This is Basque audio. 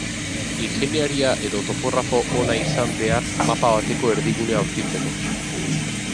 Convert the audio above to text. Ingeniaria edo topografo ona izan behar mapa bateko erdigunea aurkitzeko.